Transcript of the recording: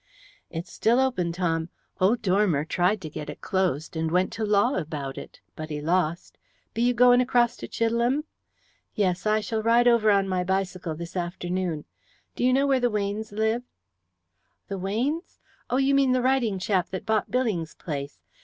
"It's still open, Tom. Old Dormer tried to get it closed, and went to law about it, but he lost. Be you going across to Chidelham?" "Yes, I shall ride over on my bicycle this afternoon. Do you know where the Weynes live?" "The Weynes? Oh, you mean the writing chap that bought Billing's place.